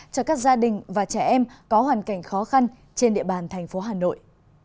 cho các gia đình và trẻ em có hoàn cảnh khó khăn trên địa bàn thành phố hà nội